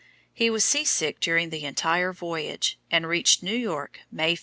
He was sea sick during the entire voyage, and reached New York May 5.